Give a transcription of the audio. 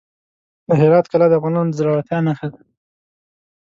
د هرات کلا د افغانانو د زړورتیا نښه ده.